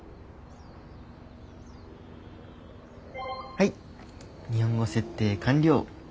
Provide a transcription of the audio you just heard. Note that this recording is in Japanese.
はい日本語設定完了。